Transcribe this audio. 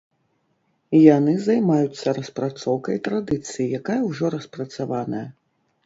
Яны займаюцца распрацоўкай традыцыі, якая ўжо распрацаваная.